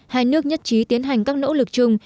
hai nước nhất trí tiến hành các nỗ lực chung